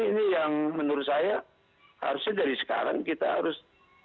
ini yang menurut saya harusnya dari sekarang kita harus